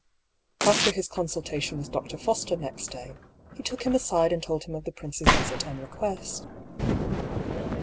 After his consultation with Dr. Foster next day, he took him aside and told him of the prince's visit and request.